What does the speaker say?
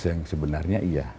yang sebenarnya iya